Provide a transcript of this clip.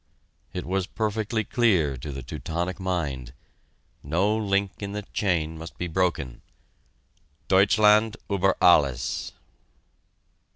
It was perfectly clear to the Teutonic mind. No link in the chain must be broken. Deutschland über Alles!